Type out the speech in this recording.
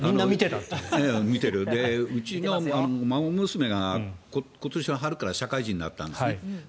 うちの孫娘が今年の春から社会人になったんですね。